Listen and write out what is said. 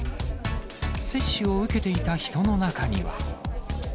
接種を受けていた人の中には。